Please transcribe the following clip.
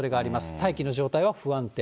大気の状態は不安定。